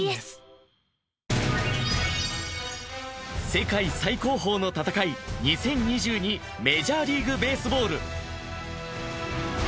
世界最高峰の戦い２０２２、メジャーリーグベースボール。